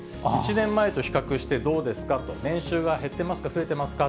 １年前と比較してどうですかと、年収が減ってますか、増えてますか。